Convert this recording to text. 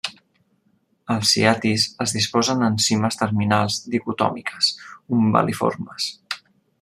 Els ciatis es disposen en cimes terminals dicotòmiques, umbel·liformes.